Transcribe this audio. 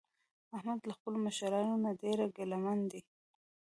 احمد له خپلو مشرانو نه ډېر ګله من دی.